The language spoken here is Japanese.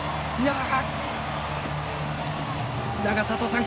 永里さん